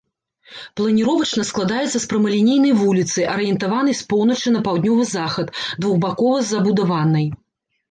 Планіровачна складаецца з прамалінейнай вуліцы, арыентаванай з поўначы на паўднёвы захад, двухбакова забудаванай.